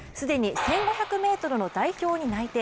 既に１５００ｍの代表に内定。